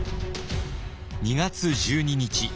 ２月１２日